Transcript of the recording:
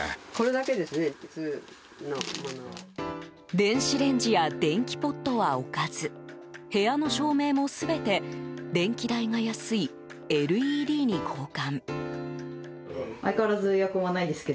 電子レンジや電気ポットは置かず部屋の照明も全て電気代が安いＬＥＤに交換。